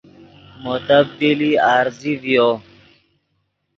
مو تبدیلی عارضی ڤیو